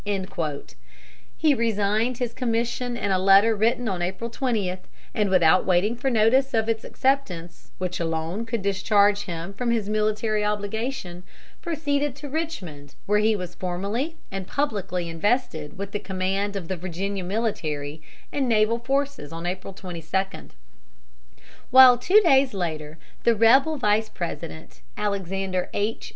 He resigned his commission in a letter written on April 20, and, without waiting for notice of its acceptance, which alone could discharge him from his military obligation, proceeded to Richmond, where he was formally and publicly invested with the command of the Virginia military and naval forces on April 22; while, two days later, the rebel Vice President, Alexander H.